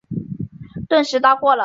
顿时到货了